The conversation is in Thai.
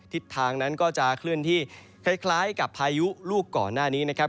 ทิศทางนั้นก็จะเคลื่อนที่คล้ายกับพายุลูกก่อนหน้านี้นะครับ